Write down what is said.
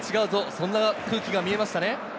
そんな空気が見えましたね。